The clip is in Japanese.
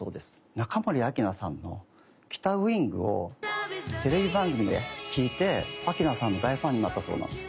中森明菜さんの「北ウイング」をテレビ番組で聴いて明菜さんの大ファンになったそうなんです。